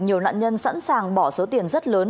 nhiều nạn nhân sẵn sàng bỏ số tiền rất lớn